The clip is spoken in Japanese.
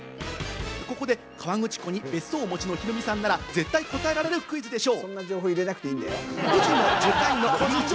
ここで河口湖に別荘をお持ちのヒロミさんなら、絶対答えられるクイズでしょう。